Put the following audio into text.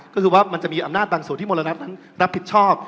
ก็คือว่ามันจะมีอำนาจบางส่วนที่มรณนั้นรับผิดชอบ